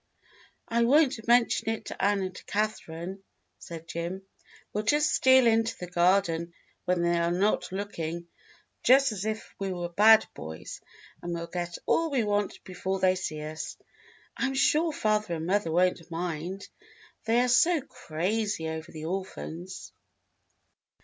"I won't mention it to Ann and Catherine," said Jim. "We'll just steal into the garden when they are not looking, just as if w^e were bad boys, and we'll get all we want before they see us. I am sure father and mother won't mind, they are so crazy over the orphans."